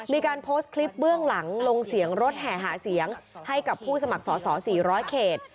มีการโพสต์คลิปเบื้องหลังลงเสียงรถแห่หาเสียงให้กับผู้สมัครสอสอ๔๐๐เขต